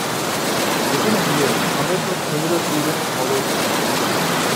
Within a year, hundreds of similar events followed suit.